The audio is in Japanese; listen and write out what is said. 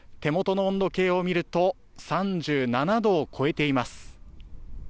手元の温度計を見ると、３７度を超えています。